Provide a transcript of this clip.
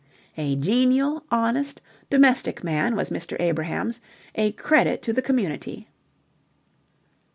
A genial, honest, domestic man was Mr. Abrahams, a credit to the community.